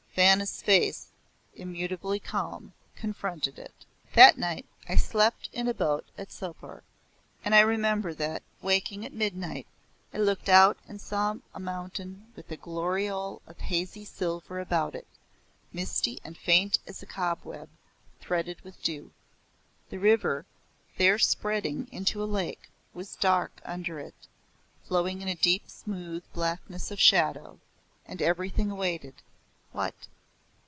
Vanna's face, immutably calm, confronted it. That night I slept in a boat at Sopor, and I remember that, waking at midnight, I looked out and saw a mountain with a gloriole of hazy silver about it, misty and faint as a cobweb threaded with dew. The river, there spreading into a lake, was dark under it, flowing in a deep smooth blackness of shadow, and everything awaited what?